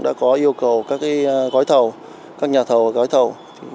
đã có yêu cầu các nhà thầu và gói thầu